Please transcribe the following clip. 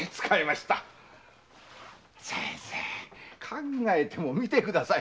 考えてもみてください